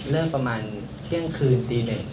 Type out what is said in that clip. เลิกประมาณเขียงคืนตี๑